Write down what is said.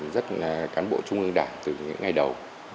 rất là cán bộ trung ương đảng từ những ngày đầu